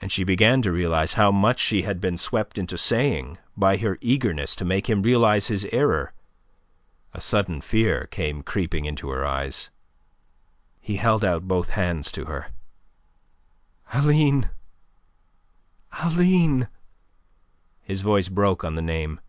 As she began to realize how much she had been swept into saying by her eagerness to make him realize his error, a sudden fear came creeping into her eyes. He held out both hands to her. "Aline! Aline!" His voice broke on the name.